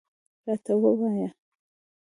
راته ووایه.